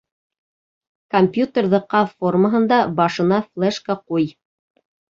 Компьютерҙы ҡаҙ формаһында, башына флешка ҡуй.